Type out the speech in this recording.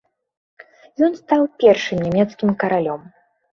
Ён стаў першым нямецкім каралём.